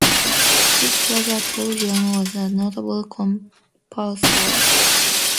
His brother Paul Juon was a notable composer.